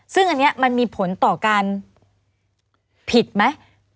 ซึ่งอันนี้มันมีผลต่อการผิดไหม